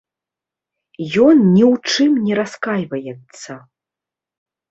Ён ні ў чым не раскайваецца.